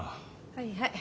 はいはい。